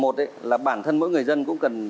một là bản thân mỗi người dân cũng cần